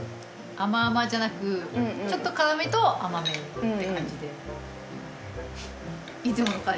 甘々じゃなくちょっと辛みと甘みって感じで。